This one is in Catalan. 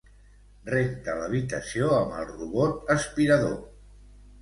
Renta l'habitació amb el robot aspirador.